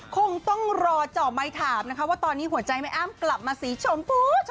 คงต้องรอเจาะไม้ถามนะคะว่าตอนนี้หัวใจแม่อ้ำกลับมาสีชมพู